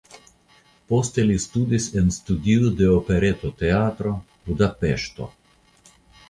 Poste li studis en studio de Operetoteatro (Budapeŝto).